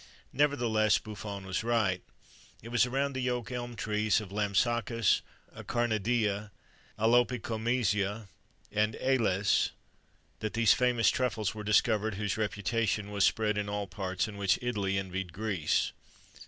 Nevertheless Buffon was right. It was around the yoke elm trees of Lampsachus, Acarnidea, Alopecomesia, and Elis, that those famous truffles were discovered, whose reputation was spread in all parts and which Italy envied Greece.